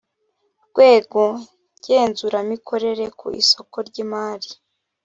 rwego ngenzuramikorere ku isoko ry imari